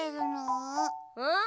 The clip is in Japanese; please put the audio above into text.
うん？